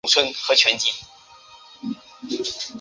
这意味着清党行动使得中国国民党党务系统大换血。